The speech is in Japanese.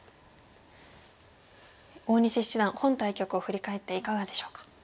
大西七段本対局を振り返っていかがでしょうか？